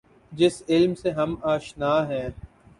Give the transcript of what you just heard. جس علم سے ہم آشنا ہیں۔